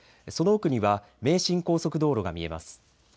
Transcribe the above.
その奥には名神高速道路が見えます。